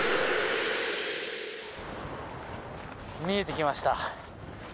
見えてきました。